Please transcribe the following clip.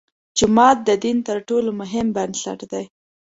جومات د دین تر ټولو مهم بنسټ دی.